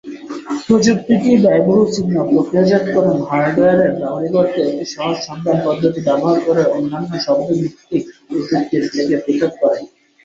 প্রযুক্তিটি ব্যয়বহুল সিগন্যাল-প্রক্রিয়াজাতকরণ হার্ডওয়্যারের পরিবর্তে একটি সহজ সন্ধান পদ্ধতি ব্যবহার করে অন্যান্য শব্দ ভিত্তিক প্রযুক্তির থেকে পৃথক করে।